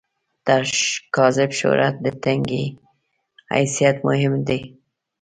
تر کاذب شهرت، د ټنګي حیثیت مهم دی.